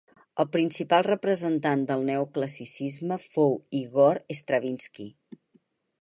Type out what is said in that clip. El principal representant del Neoclassicisme fou Ígor Stravinski.